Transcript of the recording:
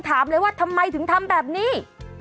ถามเลยว่าทำไมถึงทำแบบนี้